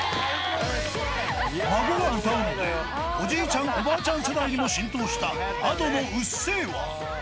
孫が歌うので、おじいちゃん、おばあちゃん世代にも浸透した、Ａｄｏのうっせぇわ。